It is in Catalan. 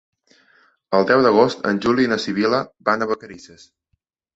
El deu d'agost en Juli i na Sibil·la van a Vacarisses.